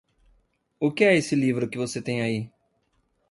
O que é esse livro que você tem aí?